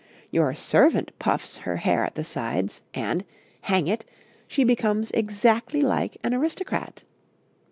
Your servant puffs her hair at the sides, and, hang it! she becomes exactly like an aristocrat.